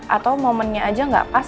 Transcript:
atau momennya aja nggak pas